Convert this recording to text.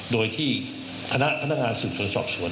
โดยที่คณะพนักงานสืบสวนสอบสวน